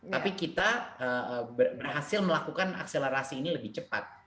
tapi kita berhasil melakukan akselerasi ini lebih cepat